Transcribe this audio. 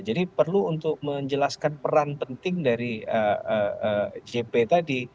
jadi perlu untuk menjelaskan peran penting dari jp tadi